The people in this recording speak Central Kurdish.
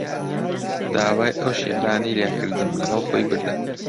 داوای ئەو شیعرانەی لێ کردم، لەگەڵ خۆی بردن